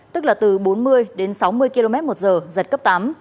tức là từ bốn mươi đến sáu mươi km một giờ giật cấp tám